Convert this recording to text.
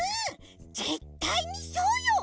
ぜったいにそうよ！